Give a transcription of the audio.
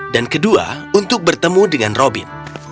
dan kedua untuk bertemu dengan robin